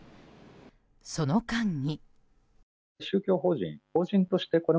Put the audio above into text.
その間に。